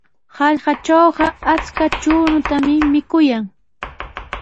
Hallqatrawqa achka chuñutami mikuyan.